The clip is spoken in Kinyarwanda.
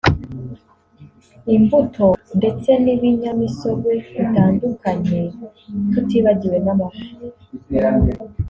imbuto ndetse n’ibinyamisogwe bitandukannye tutibagiwe n’amafi